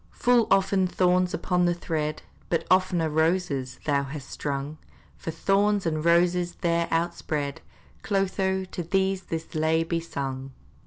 Full often thorns upon the thread, But oftener roses, thou hast strung; For thorns and roses there outspread, Clotho, to thee this lay be sung!